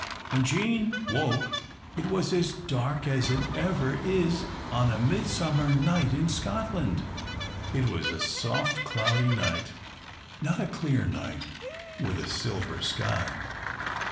When Jean woke, it was as dark as it ever is on a midsummer night in Scotland. It was a soft, cloudy night; not a clear night with a silver sky.